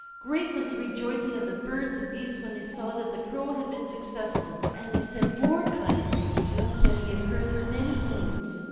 Great was the rejoicing of the birds and beasts when they saw that the Crow had been successful, and they said more kind things to him than he had heard for many moons.